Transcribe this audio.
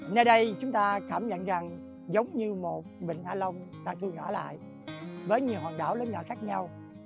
nơi đây chúng ta cảm nhận rằng giống như một vịnh a long đã ghi nhỏ lại với nhiều hòn đảo lớn nhỏ khác nhau